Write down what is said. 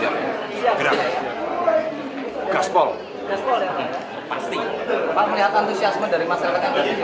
pak melihat antusiasme dari masyarakat yang berada di sana